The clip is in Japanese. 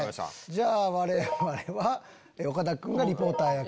じゃあわれわれは岡田くんがリポーター役。